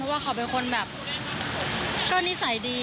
อันนี้ก็ไม่รู้เหมือนกัน